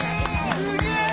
すげえ！